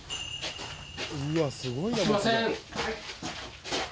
すいません。